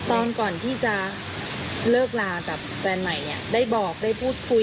ตอนก่อนที่จะเลิกลากับแฟนใหม่เนี่ยได้บอกได้พูดคุย